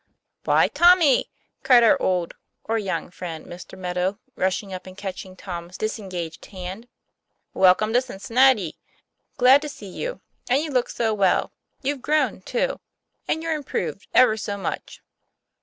'Why, Tommy! ' cried our old (or young) friend Mr. Meadow, rushing up and catching Tom's dis engaged hand, "welcome to Cincinnati; glad to see you. And you look so well! You've grown, too, and you're improved ever so much."